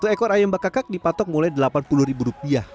satu ekor ayam bakakak dipatok mulai delapan puluh ribu rupiah